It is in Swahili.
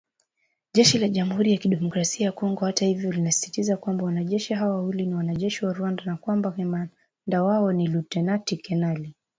Jeshi la Jamuhuri ya Kidemokrasia ya Kongo hata hivyo linasisitiza kwamba wanajeshi hao wawili ni wanajeshi wa Rwanda na kwamba kamanda wao ni Lutenati Kenali